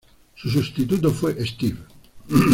Su sustituto fue Steve.